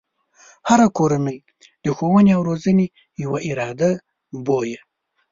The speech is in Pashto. هره کورنۍ د ښوونې او روزنې يوه اداره بويه.